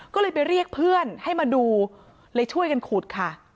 ก็เลยไปเรียกเพื่อนให้มาดูเลยช่วยกันขุดค่ะ